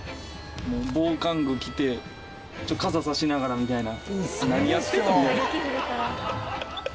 防寒具着て傘差しながらみたいな。